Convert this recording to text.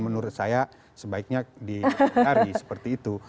menurut saya sebaiknya dihari seperti itu